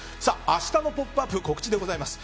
明日の「ポップＵＰ！」告知です。